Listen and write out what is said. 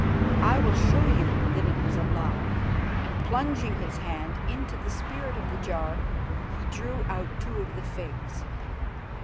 I will show you that it was a lie," and plunging his hand into the spirit in the jar, he drew out two of the figs.